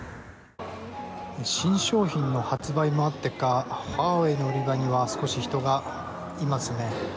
新商品の発売もあってかファーウェイの売り場には少し人がいますね。